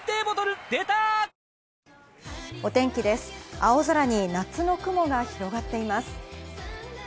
青空に夏の雲が広がっています。